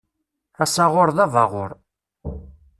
Asaɣur d abaɣur.